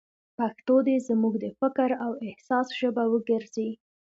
پښتو دې زموږ د فکر او احساس ژبه وګرځي.